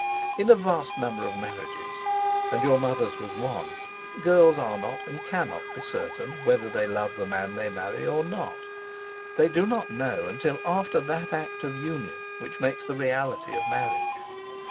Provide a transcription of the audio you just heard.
In a vast number of marriages and your mother's was one—girls are not and cannot be certain whether they love the man they marry or not; they do not know until after that act of union which makes the reality of marriage.